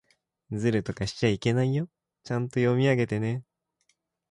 ずるとかしちゃいけないよ。ちゃんと読み上げてね。